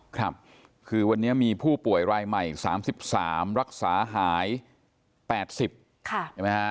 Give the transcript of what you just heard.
ครับคือวันนี้มีผู้ป่วยรายใหม่๓๓รักษาหาย๘๐ใช่ไหมฮะ